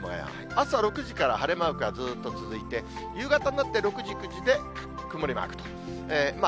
朝６時から晴れマークがずっと続いて、夕方になって６時、９時で曇りマークと。